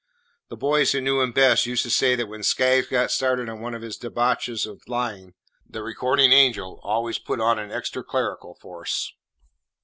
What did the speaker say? The boys who knew him best used to say that when Skaggs got started on one of his debauches of lying, the Recording Angel always put on an extra clerical force.